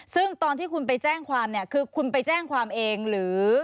ซึ่งตอนที่คุณไปแจ้งความเนี่ยคือคุณไปแจ้งความเองหรือ